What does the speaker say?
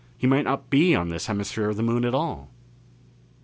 He might not be on this hemisphere of the Moon at all....